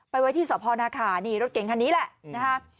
ไปไว้ที่สอบพอนาขานี่รถเก๋งคันนี้แหละอืมนะคะ